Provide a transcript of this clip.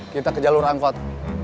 kita ke jalur angkot